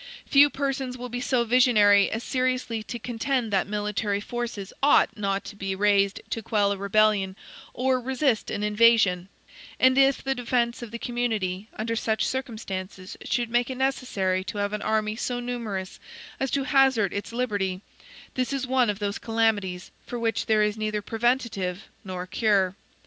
Few persons will be so visionary as seriously to contend that military forces ought not to be raised to quell a rebellion or resist an invasion; and if the defense of the community under such circumstances should make it necessary to have an army so numerous as to hazard its liberty, this is one of those calamities for which there is neither preventative nor cure.